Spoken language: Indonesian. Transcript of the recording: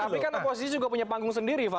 tapi kan oposisi juga punya panggung sendiri pak